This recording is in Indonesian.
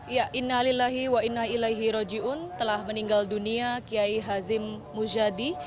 ya inna lillahi wa inna ilaihi roji'un telah meninggal dunia kiai hazim mujadi